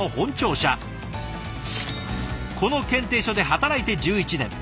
この検定所で働いて１１年。